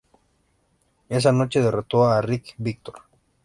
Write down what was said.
Esa noche, derrotó a Rick Víctor.